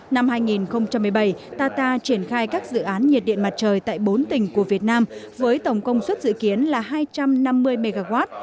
năm hai nghìn một mươi bảy arta triển khai các dự án nhiệt điện mặt trời tại bốn tỉnh của việt nam với tổng công suất dự kiến là hai trăm năm mươi mw